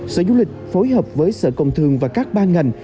sở du lịch phối hợp với sở công thương và các ban ngành